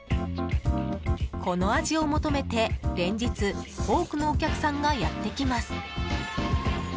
この味を求めて連日多くのお客さんがやってきます。